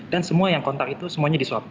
dan semua yang kontak itu semuanya diswap